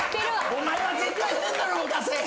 お前は絶対変なのを出せ！